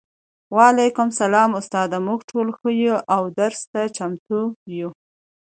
وعلیکم السلام استاده موږ ټول ښه یو او درس ته چمتو یو